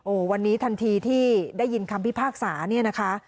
วันนี้ทันทีที่ได้ยินคำพิพากษาเนี่ยนะคะ